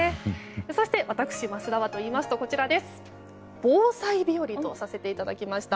そして、私、桝田はといいますと防災日和とさせていただきました。